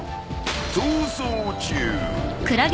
［逃走中］